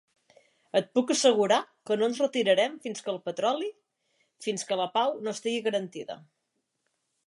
Et puc assegurar que no ens retirarem fins que el petroli, fins que la pau no estigui garantida.